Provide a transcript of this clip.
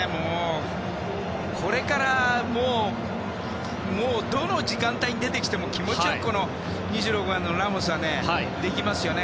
これからどの時間帯に出てきても気持ちよく、２６番のラモスはできますよね。